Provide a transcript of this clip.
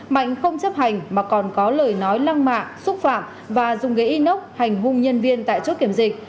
mạnh không chấp hành mà còn có lời nói lăng mạ xúc phạm và dùng ghế inox hành hung nhân viên tại chốt kiểm dịch